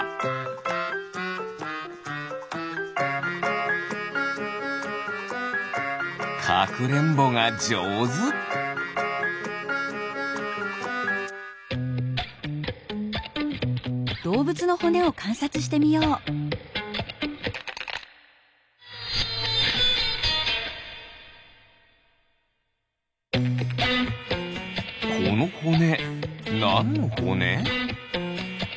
このほねなんのほね？